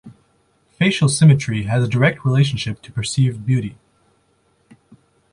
Facial symmetry has a direct relationship to perceived beauty.